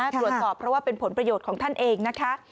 ตรวจสอบเพราะว่าเป็นผลประโยชน์ของท่านเองนะคะ